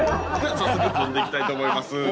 早速飛んでいきたいと思います。